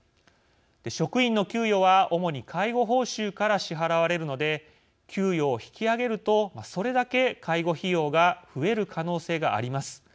職員の給与は主に介護報酬から支払われるので給与を引き上げるとそれだけ介護費用が増える可能性があります。